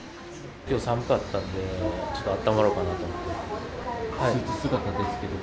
きょう寒かったんで、ちょっとあったまろうかなと思って。